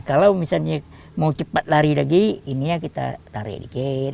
kalau misalnya mau cepat lari lagi ini ya kita tarik dikit